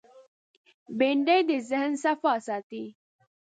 بېنډۍ د ذهن صفا ساتي